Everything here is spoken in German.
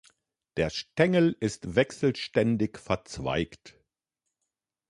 Der Stängel ist wechselständig verzweigt.